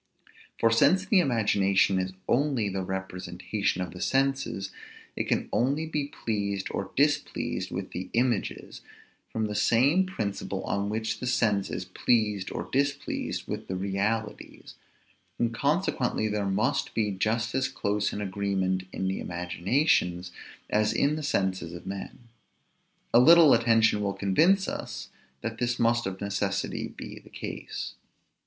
For since the imagination is only the representation of the senses, it can only be pleased or displeased with the images, from the same principle on which the sense is pleased or displeased with the realities; and consequently there must be just as close an agreement in the imaginations as in the senses of men. A little attention will convince us that this must of necessity be the case.